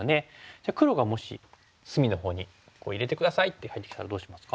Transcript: じゃあ黒がもし隅のほうに「入れて下さい」って入ってきたらどうしますか？